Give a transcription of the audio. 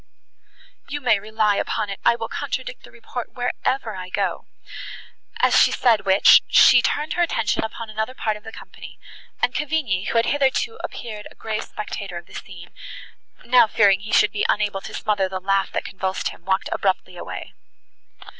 "You may rely upon it I will contradict the report wherever I go;" as she said which, she turned her attention upon another part of the company; and Cavigni, who had hitherto appeared a grave spectator of the scene, now fearing he should be unable to smother the laugh, that convulsed him, walked abruptly away.